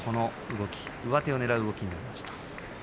上手をねらう動きになりました。